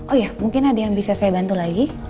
oh ya mungkin ada yang bisa saya bantu lagi